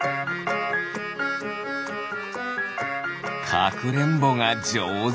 かくれんぼがじょうず。